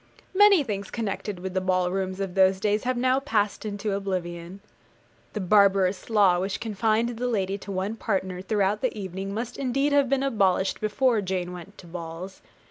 Many things connected with the ball rooms of those days have now passed into oblivion. The barbarous law which confined the lady to one partner throughout the evening must indeed have been abolished before Jane went to balls.